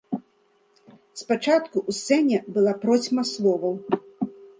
Спачатку ў сцэне была процьма словаў.